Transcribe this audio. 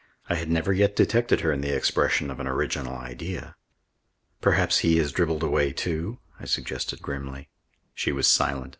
I had never yet detected her in the expression of an original idea. "Perhaps he has dribbled away too?" I suggested grimly. She was silent.